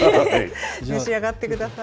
召し上がってください。